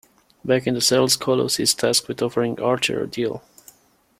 Back in the cells, Kolos is tasked with offering Archer a deal.